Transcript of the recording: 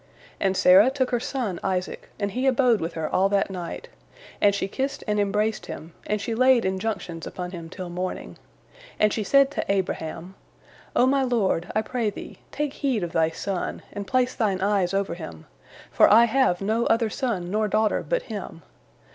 And Sarah took her son Isaac, and he abode with her all that night, and she kissed and embraced him, and she laid injunctions upon him till morning, and she said to Abraham: "O my lord, I pray thee, take heed of thy son, and place thine eyes over him, for I have no other son nor daughter but him.